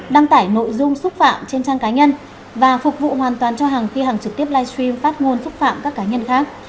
đăng tải nội dung xúc phạm trên trang cá nhân và phục vụ hoàn toàn cho hàng khi hàng trực tiếp livestream phát ngôn xúc phạm các cá nhân khác